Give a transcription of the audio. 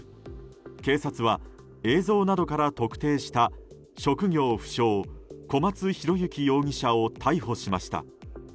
警察は、映像などから特定した職業不詳、小松広行容疑者を逮捕しました。